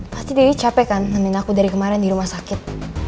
pasti deddy capek kan temenin aku dari kemarin di rumah sakit